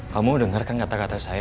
kamu dengarkan kata kata saya